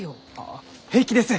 あ平気です！